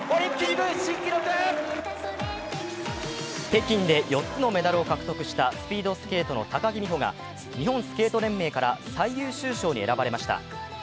北京で４つのメダルを獲得したスピードスケートの高木美帆が日本スケート連盟から最優秀賞に選ばれました。